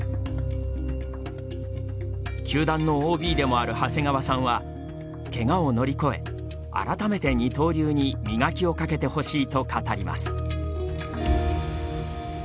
球団のＯＢでもある長谷川さんはけがを乗り越え改めて二刀流に磨きをかけてほしいと語ります。